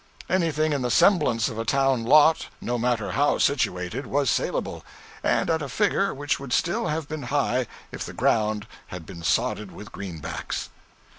Anything in the semblance of a town lot, no matter how situated, was salable, and at a figure which would still have been high if the ground had been sodded with greenbacks.